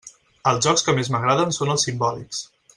Els jocs que més m'agraden són els simbòlics.